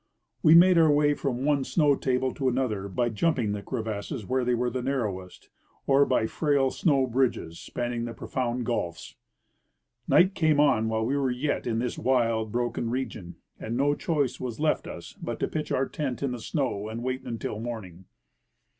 We made our w^ay from one snow table to another by jumping the crevasses where they were narrowest, or by frail snow bridges spanning the profound gulfs. Night came on while w^e were yet in this wild, broken region, and no choice was left us but to pitch our tent in the snow and wait until morning.